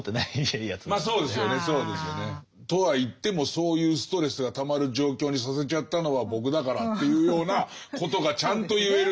「とはいってもそういうストレスがたまる状況にさせちゃったのは僕だから」というようなことがちゃんと言える。